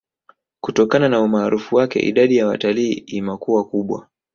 Kutokana na umaarufu wake idadi ya watalii imakuwa kubwa